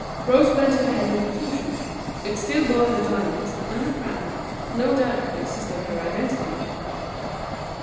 Rose bent her head in confusion; it still bore her diamonds, and her crown, no doubt could exist of her identity.